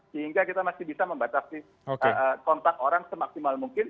sehingga kita masih bisa membatasi kontak orang semaksimal mungkin